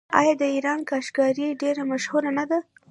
آیا د ایران کاشي کاري ډیره مشهوره نه ده؟